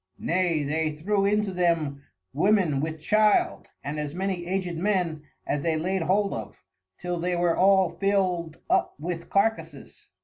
Nay they threw into them Women with Child, and as many Aged Men as they laid hold of, till they were all fill'd up with Carkasses.